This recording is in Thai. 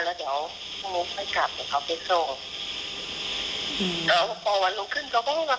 แล้วเดี๋ยวพรุ่งนี้ไปกลับเดี๋ยวเขาไปส่งอืมแล้วพอวันลงขึ้นเขาก็ไม่มาส่งหรอค่ะ